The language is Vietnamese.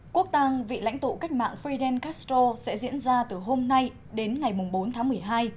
quốc tàng vị lãnh tụ cách mạng fidel castro sẽ diễn ra từ hôm nay đến ngày bốn tháng một mươi hai